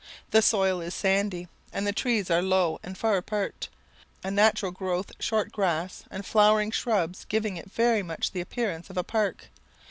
The soil is sandy, and the trees are low and far apart, a natural growth short grass and flowering shrubs giving it very much the appearance of a park.